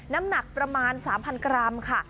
น้ำหนักประมาณ๓๐๐กรัมค่ะ